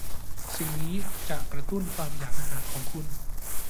สิ่งนี้จะกระตุ้นความอยากอาหารของคุณ